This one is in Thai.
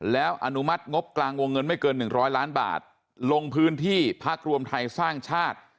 แล้วอนุมัติงบกลางวงเงินไม่เกิน๑๐๐ล้านบาทลงพื้นที่พักรวมไทยสร้างชาติ